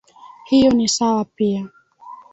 Hiyo ni sawa pia.